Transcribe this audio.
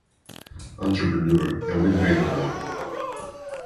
Entrepreneur é um empreendedor.